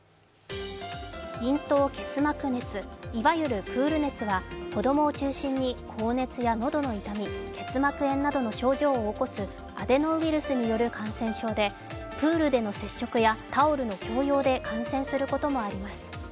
咽頭結膜熱、いわゆるプール熱は子供を中心に高熱や喉の痛み、結膜炎などの症状を起こすアデノウイルスによる感染症でプールでの接触やタオルの共用で感染することもあります。